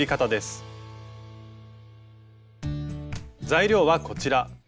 材料はこちら。